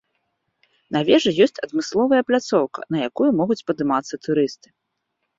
На вежы ёсць адмысловая пляцоўка, на якую могуць падымацца турысты.